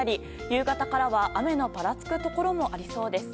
夕方からは雨のぱらつくところもありそうです。